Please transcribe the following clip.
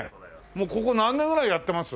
もうここ何年ぐらいやってます？